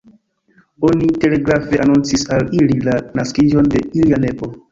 Oni telegrafe anoncis al ili la naskiĝon de ilia nepo.